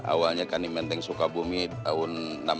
awalnya kan ini menteng sukabumi tahun enam puluh enam